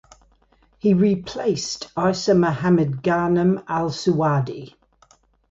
He replaced Eissa Mohamed Ghanem Al Suwaidi.